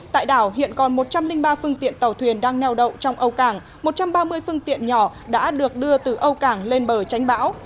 tại đảo hiện còn một trăm linh ba phương tiện tàu thuyền đang neo đậu trong âu cảng một trăm ba mươi phương tiện nhỏ đã được đưa từ âu cảng lên bờ tránh bão